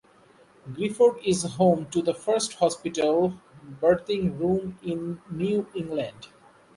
Gifford is home to the first hospital birthing room in New England.